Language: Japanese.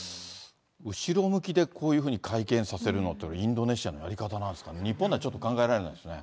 後ろ向きでこういうふうに会見させるのって、インドネシアのやり方なんですかね、日本ではちょっと考えられないですね。